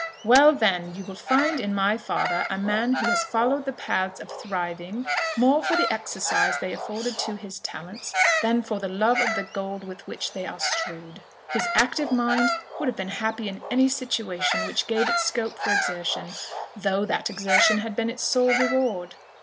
"Well, then, you will find in my father a man who has followed the paths of thriving more for the exercise they afforded to his talents, than for the love of the gold with which they are strewed. His active mind would have been happy in any situation which gave it scope for exertion, though that exertion had been its sole reward.